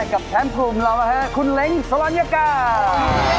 กับแชมป์กลุ่มเราฮะคุณเล้งสวัสดีครับ